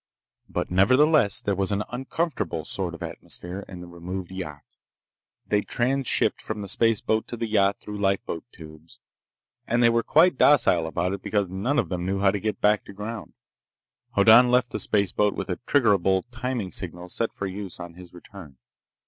But nevertheless there was an uncomfortable sort of atmosphere in the renovated yacht. They'd transshipped from the spaceboat to the yacht through lifeboat tubes, and they were quite docile about it because none of them knew how to get back to ground. Hoddan left the spaceboat with a triggerable timing signal set for use on his return.